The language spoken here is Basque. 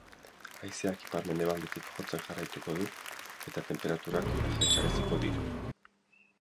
Haizeak ipar-mendebaldetik jotzen jarraituko du, eta tenperaturak jaitsaraziko ditu.